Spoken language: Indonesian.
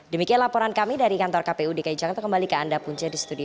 demikian laporan kami dari kantor kpu dki jakarta kembali ke anda punca di studio